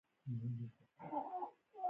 بله ورځ د هغه سړي ملګری راغی.